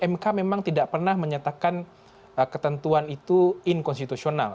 mk memang tidak pernah menyatakan ketentuan itu inkonstitusional